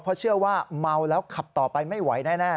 เพราะเชื่อว่าเมาแล้วขับต่อไปไม่ไหวแน่